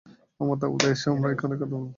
আমার তাঁবুতে এসো, আমরা ওখানে কথা বলব।